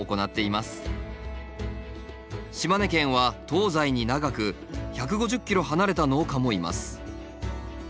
島根県は東西に長く１５０ｋｍ離れた農家もいます。